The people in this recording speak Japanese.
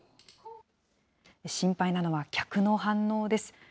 心配なのは客の反応です。